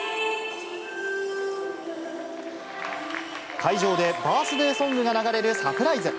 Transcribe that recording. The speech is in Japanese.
会場でバースデーソングが流れるサプライズ。